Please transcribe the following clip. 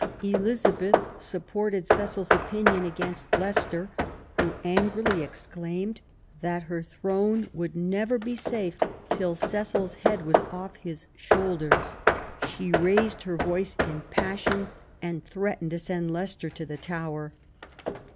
Elizabeth supported Cecil's opinion against Leicester, who angrily ex claimed that her throne would never be safe till Cecil's head was off his shoulders. She raised her voice in passion and threatened to send Leicester to the Tower.